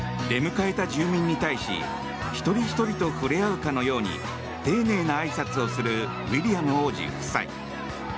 出迎えた住民に対し一人ひとりと触れ合うかのように丁寧なあいさつをするウィリアム王子夫妻。